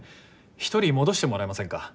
１人戻してもらえませんか？